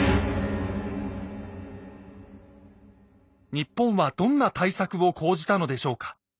日本はどんな対策を講じたのでしょうか。